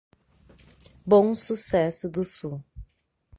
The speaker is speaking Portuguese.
Bom Sucesso do Sul